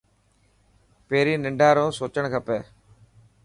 پهرين ننڍان رو سوچڻ کپي.